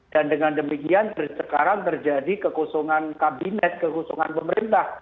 dan dengan demikian sekarang terjadi kekosongan kabinet kekosongan pemerintah